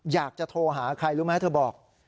อยากจะโทรหาใครรู้ไหมเธอบอก